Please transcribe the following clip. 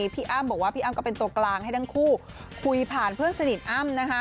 พี่อ้ำบอกว่าพี่อ้ำก็เป็นตัวกลางให้ทั้งคู่คุยผ่านเพื่อนสนิทอ้ำนะคะ